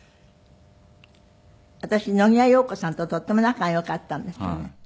私野際陽子さんととっても仲がよかったんですけどね。